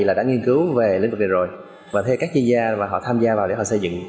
là đã nghiên cứu về lĩnh vực này rồi và thuê các chuyên gia và họ tham gia vào để họ xây dựng